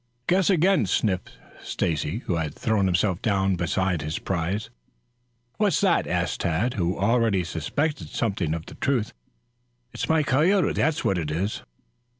"Guess again," sniffed Stacy, who had thrown himself down beside his prize. "What's that?" asked Tad, who already suspected something of the truth. "It's my coyote, that's what it is."